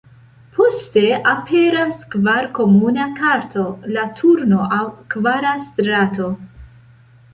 Poste, aperas kvara komuna karto, la turno aŭ 'kvara strato'.